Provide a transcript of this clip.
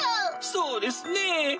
そうですねぇ！